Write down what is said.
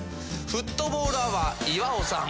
フットボールアワー岩尾さん。